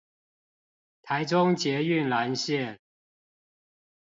台中捷運藍線